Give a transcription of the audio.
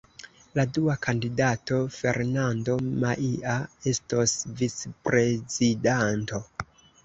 La dua kandidato, Fernando Maia, estos vicprezidanto.